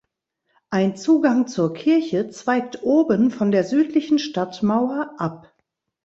Ein Zugang zur Kirche zweigt oben von der südlichen Stadtmauer ab.